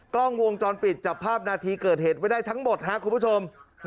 กล้องวงจรปิดจับภาพนาทีเกิดเหตุไว้ได้ทั้งหมดครับคุณผู้ชม